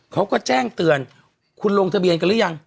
เขาก็แจ้งเตือนคุณลงทะเบียนกันหรือยัง